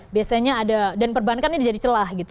biasanya ada dan perbankannya jadi celah gitu